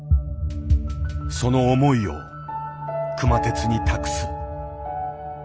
その思いを熊徹に託す。